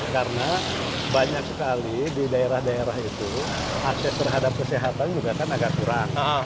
karena banyak sekali di daerah daerah itu akses terhadap kesehatan juga kan agak kurang